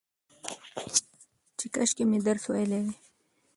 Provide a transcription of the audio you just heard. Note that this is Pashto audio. چې کاشکي مې درس ويلى وى